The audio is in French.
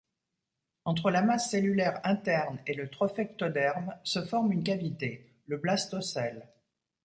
Entre la masse cellulaire interne et le trophectoderme se forme une cavité, le blastocèle.